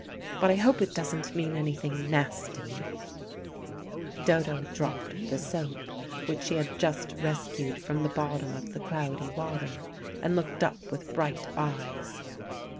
But I hope it doesn't mean anything nasty " Dodo dropped the soap which she had just rescued from the bottom of the cloudy water, and looked up with bright eyes.